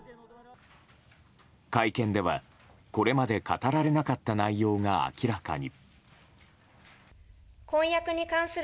会見では、これまで語られなかった内容が明らかに。